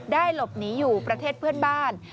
หลบหนีอยู่ประเทศเพื่อนบ้าน